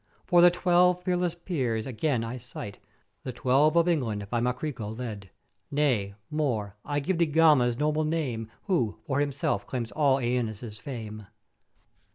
For the twelve peerless Peers again I cite the Twelve of England by Magriço led: Nay, more, I give thee Gama's noble name, who for himself claims all Æneas' fame.